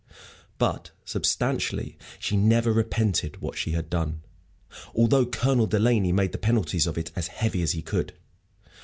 But substantially she never repented what she had done, although Colonel Delaney made the penalties of it as heavy as he could.